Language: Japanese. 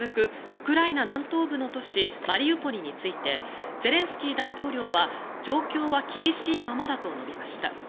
ウクライナ南東部の都市マリウポリについてゼレンスキー大統領は状況は厳しいままだと述べました。